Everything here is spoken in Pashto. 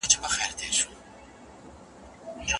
څوک باید څېړونکي ته بشپړه خپلواکي ورکړي؟